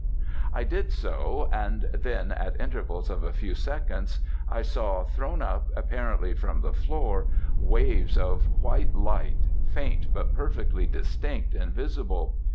"I did so; and then at intervals of a few seconds, I saw thrown up, apparently from the floor, waves of white light, faint, but perfectly distinct and visible.